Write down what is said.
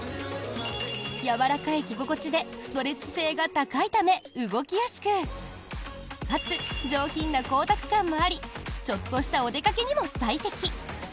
やわらかい着心地でストレッチ性が高いため動きやすくかつ上品な光沢感もありちょっとしたお出かけにも最適。